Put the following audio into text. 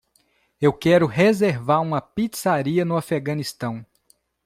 Eu quero reservar uma pizzaria no Afeganistão.